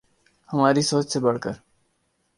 ہماری سوچ سے بڑھ کر